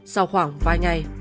sau khoảng vài ngày